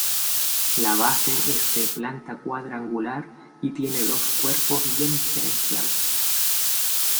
La base es de planta cuadrangular y tiene dos cuerpos bien diferenciados.